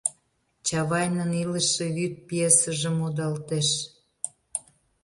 Чавайнын «Илыше вӱд» пьесыже модалтеш.